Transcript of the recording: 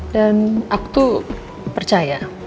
dan aku tuh percaya